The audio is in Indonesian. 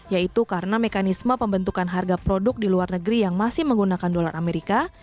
yaitu karena mekanisme pembentukan harga produk di luar negeri yang masih menggunakan dolar amerika